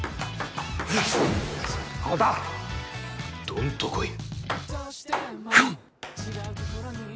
どんと来い。